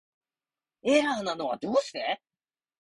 エラーなのはどうして